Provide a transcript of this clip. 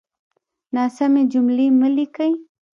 ناسمې جملې مه ليکئ!